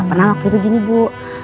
pernah waktu itu gini bu